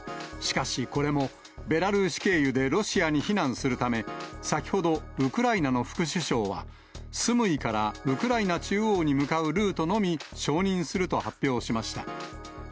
しかし、これもベラルーシ経由でロシアに避難するため、先ほど、ウクライナの副首相は、スムイからウクライナ中央に向かうルートのみ承認すると発表しました。